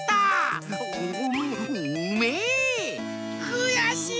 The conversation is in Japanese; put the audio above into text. くやしい！